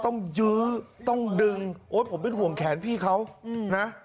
ยื้อต้องดึงโอ้ยผมเป็นห่วงแขนพี่เขานะ